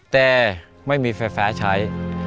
แต่ไม่มีแฟร์ใช้